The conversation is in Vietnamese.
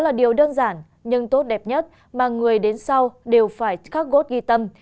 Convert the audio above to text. là điều đơn giản nhưng tốt đẹp nhất mà người đến sau đều phải khắc gốt ghi tâm